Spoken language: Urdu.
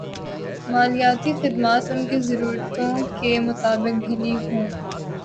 مالیاتی خدمات ان کی ضرورتوں کے مطابق ڈھلی ہوں